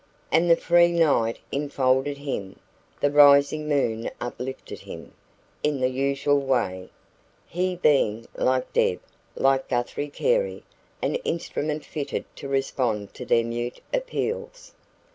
And the free night enfolded him the rising moon uplifted him in the usual way, he being, like Deb, like Guthrie Carey, an instrument fitted to respond to their mute appeals.